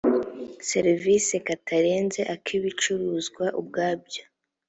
serivisi katarenze ak ibicuruzwa ubwabyo